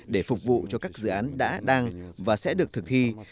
để phục vụ cho các dự án đã đang và sẽ được thực thi